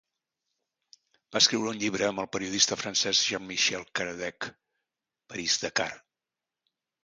Va escriure un llibre amb el periodista francès Jean-Michel Caradec'h, Paris Dakar.